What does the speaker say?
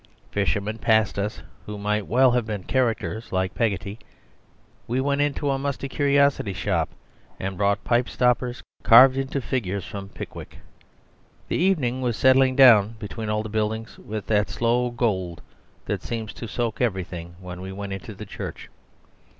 Fishermen passed us who might well have been characters like Peggotty; we went into a musty curiosity shop and bought pipe stoppers carved into figures from Pickwick. The evening was settling down between all the buildings with that slow gold that seems to soak everything when we went into the church.